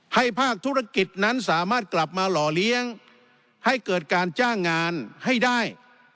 ภาคธุรกิจนั้นสามารถกลับมาหล่อเลี้ยงให้เกิดการจ้างงานให้ได้